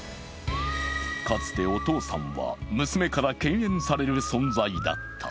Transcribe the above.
かつて、お父さんは娘から敬遠される存在だった。